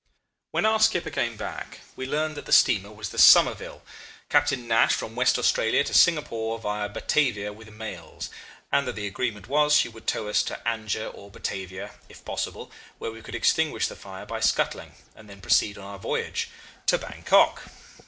"When our skipper came back we learned that the steamer was the Sommerville, Captain Nash, from West Australia to Singapore via Batavia with mails, and that the agreement was she should tow us to Anjer or Batavia, if possible, where we could extinguish the fire by scuttling, and then proceed on our voyage to Bankok!